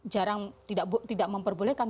jarang tidak memperbolehkan